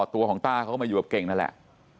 ตัวของต้าเขาก็มาอยู่กับเก่งนั่นแหละ